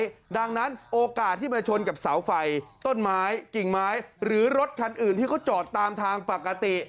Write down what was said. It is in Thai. ใช่ดังนั้นโอกาสที่มาชนกับเสาไฟต้นไม้กิ่งไม้หรือรถคันอื่นที่เขาจอดตามทางปกติ